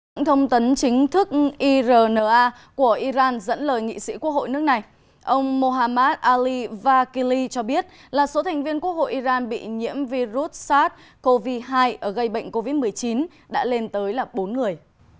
trong thông tấn chính thức irna của iran dẫn lời nghị sĩ quốc hội nước này ông mohammad ali vakili cho biết là số thành viên quốc hội iran bị nhiễm virus sars cov hai ở gây bệnh covid một mươi chín đã lên tới là bốn người